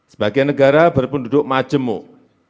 sebagai negara berpenduduk majemuk